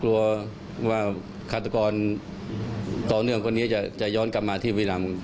ว่าขาตะกอนต่อเนื่องคนนี้จะย้อนกลับมาที่วีราม